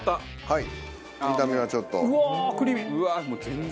はい。